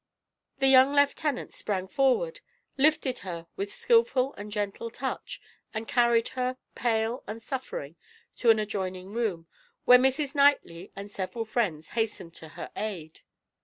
The young lieutenant sprang forward, lifted her with skillful and gentle touch, and carried her, pale and suffering, to an adjoining room, where Mrs. Knightley and several friends hastened to her aid.